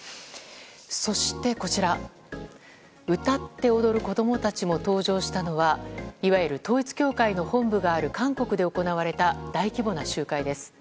そして、歌って踊る子供たちも登場したのはいわゆる統一教会の本部がある韓国で行われた大規模な集会です。